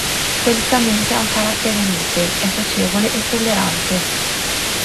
Solitamente ha un carattere mite, è socievole e tollerante.